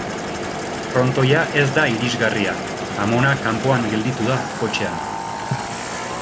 Frontoia ez da irisgarria, amona kanpoan gelditu da kotxean.